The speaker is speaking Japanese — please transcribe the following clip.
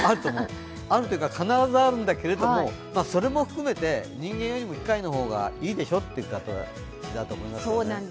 あるというか、必ずあるんだけどもそれも含めて人間よりも機械の方がいいでしょうという形だと思います。